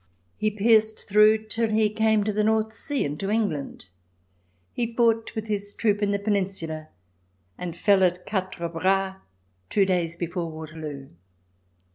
He pierced through till he came to the North Sea and to England. He fought with his troop in the Peninsula, and fell at Quatre Bras two days before Waterloo.